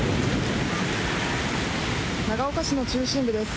長岡市の中心部です。